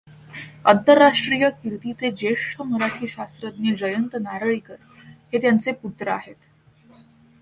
आंतरराष्ट्रीय कीर्तीचे ज्येष्ठ मराठी शास्त्रज्ञ जयंत नारळीकर हे त्यांचे पुत्र आहेत.